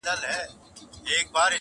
د ورور و غاړي ته چاړه دي کړمه.